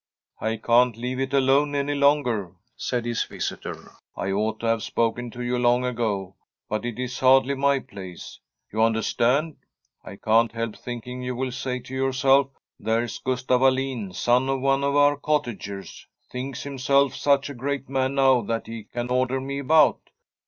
' I can't leave it alone any longer,' said his visitor. ' I ought to have spoken to you long ago, but it is hardly my place. You understand? I can't help thinking you will say to yourself: " There's Gustaf Alin, son of one of our cottagers, thinks himself such a great man now that he can order me about."